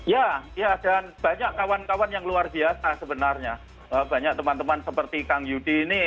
ya ya dan banyak kawan kawan yang luar biasa sebenarnya banyak teman teman seperti kang yudi ini